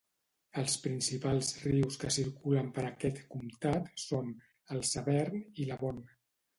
Els principals rius que circulen per aquest comtat són el Severn i l'Avon.